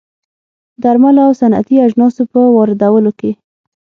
درملو او صنعتي اجناسو په واردولو کې